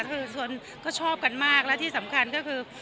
คือก็ชอบกันมากและที่สำคัญก็คือ